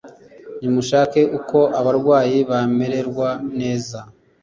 Nimushake Uko Abarwayi Bamererwa neza